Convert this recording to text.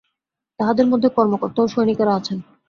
তাঁদের মধ্যে কর্মকর্তা ও সৈনিকেরা আছেন।